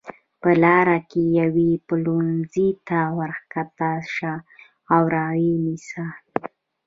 په لاره کې یوې پلورنځۍ ته ورکښته شه او را یې نیسه.